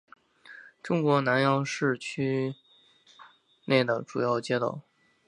中国南阳市城区内的主要街道。